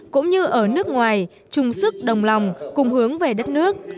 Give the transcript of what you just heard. cũng như ở nước ngoài chung sức đồng lòng cùng hướng về đất nước